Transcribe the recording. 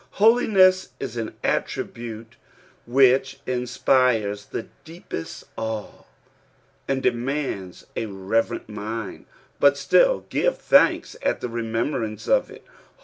Holiness is an attribute which inspires the deepest awe, and demands a reverent mind ; but still give thanks at the remembrance of it.